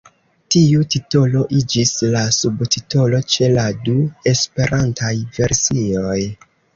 Tiu titolo iĝis la subtitolo ĉe la du esperantaj versioj.